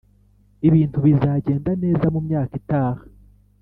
ibintu bizagenda neza mu myaka itaha